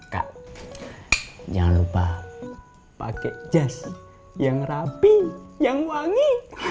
kak jangan lupa pakai jas yang rapi yang wangi